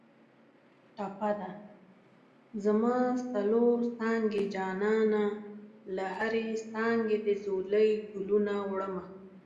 ټپه ده: زما څلور څانګې جانانه له هرې څانګې دې ځولۍ ګلونه وړمه